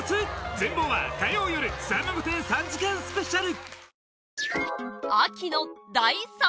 ⁉全貌は火曜夜『さんま御殿‼』３時間スペシャル